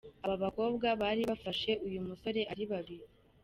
Aba bakobwa bari bafashe uyu musore ari babiri.